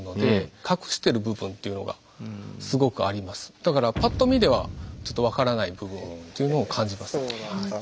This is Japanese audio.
だからぱっと見ではちょっと分からない部分っていうのを感じます。